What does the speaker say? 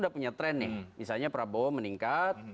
udah punya tren nih misalnya prabowo meningkat